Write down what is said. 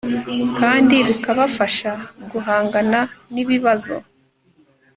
kandi bikabafasha guhangana n ibibazo